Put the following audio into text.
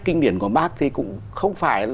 kinh điển của bác thì cũng không phải